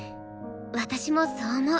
私もそう思う。